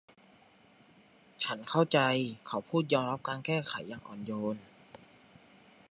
ฉันเข้าใจเขาพูดยอมรับการแก้ไขอย่างอ่อนโยน